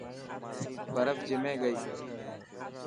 برف جمي گئي.